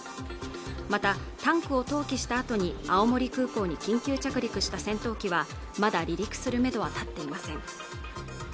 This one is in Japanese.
またタンクを投棄したあとに青森空港に緊急着陸した戦闘機はまだ離陸するめどは立っていません